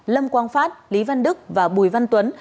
lâm quang phát lý văn đức và bùi văn tuấn